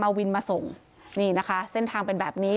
วินมาส่งนี่นะคะเส้นทางเป็นแบบนี้